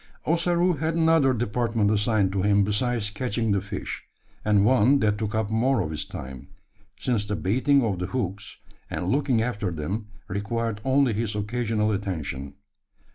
Ossaroo had another department assigned to him besides catching the fish; and one that took up more of his time: since the baiting of the hooks, and looking after them, required only his occasional attention.